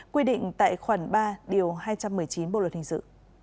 quy định tại khoản ba điều hai trăm một mươi chín bộ luật hình dự